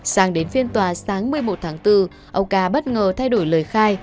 sang đến phiên tòa sáng một mươi một tháng bốn ông ca bất ngờ thay đổi lời khai